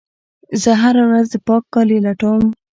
زه هره ورځ د پاک کالي لټوم.